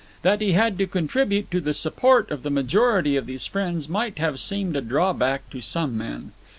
That he had to contribute to the support of the majority of these friends might have seemed a drawback to some men.